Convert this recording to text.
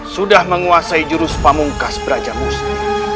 sudah menguasai jurus pamungkas brajamusti